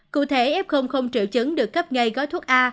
cụ thể f không triệu chứng được cấp ngay gói thuốc a